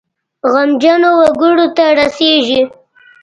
غمجنو وګړو ته رسیږي.